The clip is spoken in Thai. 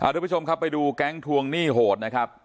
ทุกผู้ชมครับไปดูแก๊งทวงหนี้โหดนะครับ